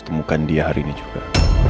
temukan dia hari ini juga